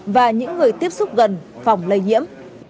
và những người tiếp xúc gần phòng lây nhiễm